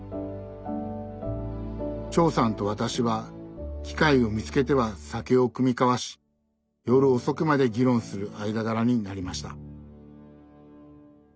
長さんと私は機会を見つけては酒を酌み交わし夜遅くまで議論する間柄になりました。